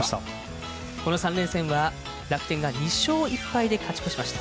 この３連戦は楽天が２勝１敗で勝ち越しました。